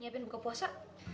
nyiapin buka puasa